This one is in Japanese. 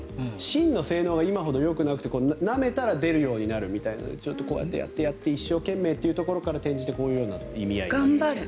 芯の性能が今ほどよくなくてなめたら出るようになるというようなこうやってなめて一生懸命というところから転じてこういうような意味合い。